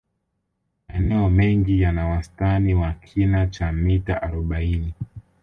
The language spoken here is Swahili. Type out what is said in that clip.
maeneo mengi yana wastani wa kina cha mita arobaini